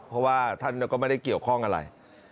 เพราะว่าท่านก็ไม่ได้เกี่ยวข้องอะไร